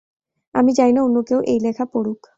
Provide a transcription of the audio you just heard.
আমি চাই না অন্য কেউ এই লেখা পড়ুক।